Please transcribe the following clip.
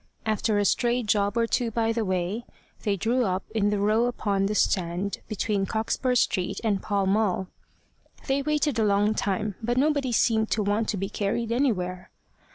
After a stray job or two by the way, they drew up in the row upon the stand between Cockspur Street and Pall Mall. They waited a long time, but nobody seemed to want to be carried anywhere.